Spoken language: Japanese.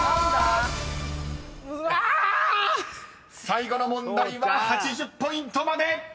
［最後の問題は８０ポイントまで！］